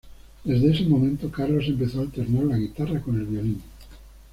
Desde ese momento, Carlos empezó a alternar la guitarra con el violín.